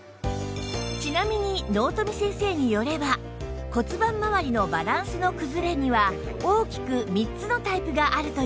ちなみに納富先生によれば骨盤まわりのバランスの崩れには大きく３つのタイプがあるといいます